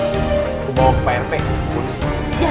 aku bawa ke prp ke polisi